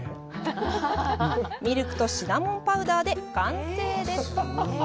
ミルクとシナモンパウダーで完成です。